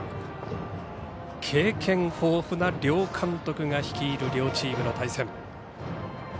経験豊富な両監督が率いる両チームの対戦。